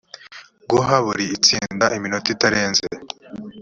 guha buri itsinda iminota itarenze